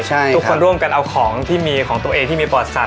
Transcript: ทุกคนร่วมกันเอาของที่มีของตัวเองที่มีประวัติศาส